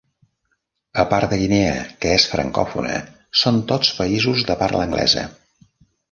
A part de Guinea, que és francòfona, són tots països de parla anglesa.